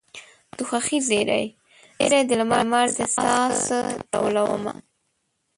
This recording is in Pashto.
د خوښۍ ذرې، ذرې د لمر د ساه څه ټولومه